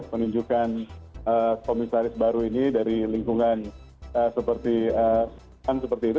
menunjukkan komisaris baru ini dari lingkungan seperti itu